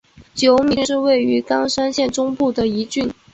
久米郡是位于冈山县中部的一郡。